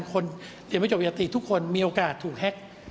คนที่จบยติทุกคนมีโอกาสถูกแฮ็ก